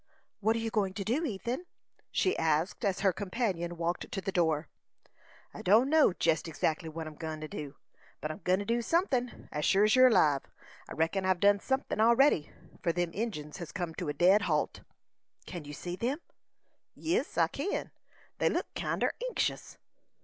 "What are you going to do, Ethan?" she asked, as her companion walked to the door. "I don't know jest exactly what I'm go'n to do; but I'm go'n to do sunthin', as sure as you're alive. I reckon I've done sunthin' already, for them Injins hes come to a dead halt." "Can you see them?" "Yes, I kin. They look kinder anxious."